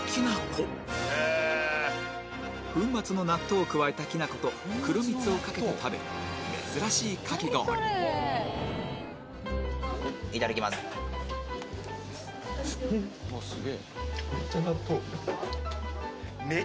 粉末の納豆を加えたきなこと黒蜜をかけて食べる珍しいかき氷いただきます